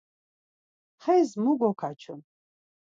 Xes mu gokaçun?